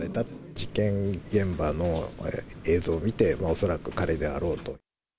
事件現場の映像を見て、もう恐らく彼であろうと。